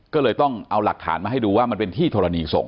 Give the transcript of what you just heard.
ก็เลยต้องเอาหลักฐานมาให้ดูว่ามันเป็นที่ธรณีส่ง